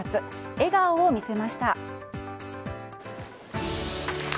笑顔を見せました。